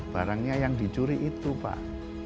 barangnya yang dicuri itu pak